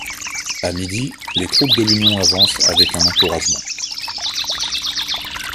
À midi, les troupes de l'Union avance avec un encouragement.